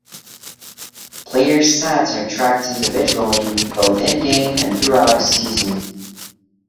Player stats are tracked individually both in-game, and throughout a season.